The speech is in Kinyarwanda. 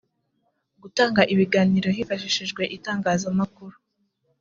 gutanga ibiganiro hifashishijwe itangazamakuru